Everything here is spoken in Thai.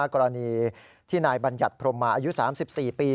กรณีที่นายบัญญัติพรมมาอายุ๓๔ปี